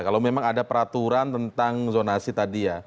kalau memang ada peraturan tentang zona asli tadi ya